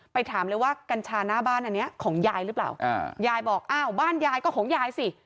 ถามเลยว่ากัญชาหน้าบ้านอันนี้ของยายหรือเปล่ายายบอกอ้าวบ้านยายก็ของยายสิ